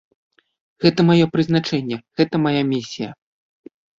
Гэта маё прызначэнне, гэта мая місія.